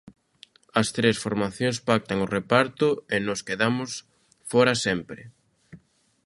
"As tres formacións pactan o reparto e nós quedamos fóra sempre".